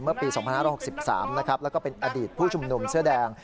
เมื่อปี๒๕๖๓นะครับแล้วก็เป็นอดีตผู้ชุมนุมเสื้อแดง